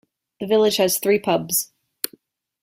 The village has three pubs.